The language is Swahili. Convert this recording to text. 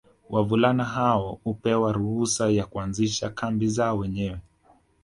Wavulana hao hupewa ruhusa ya kuanzisha kambi zao wenyewe